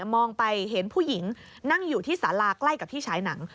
มองไปเห็นผู้หญิงนั่งอยู่ที่สาราใกล้กับที่ฉายหนัง